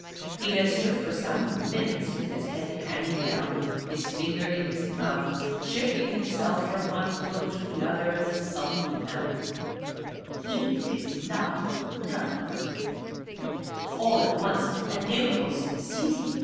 He had stood for some minutes with his head hanging down, his finger in his mouth, shifting himself from one foot to the other in a sulky manner He did not know! All at once an impulse seized me.